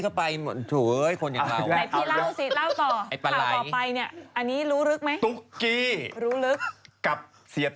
ก็ไหลรอบแล้วนะเนี่ย